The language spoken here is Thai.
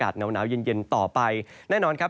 ก็จะมีการแผ่ลงมาแตะบ้างนะครับ